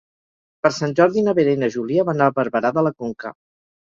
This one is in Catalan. Per Sant Jordi na Vera i na Júlia van a Barberà de la Conca.